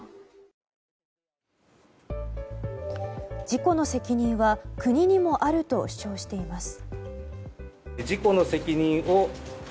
事故の責任は国にもあると主張しています。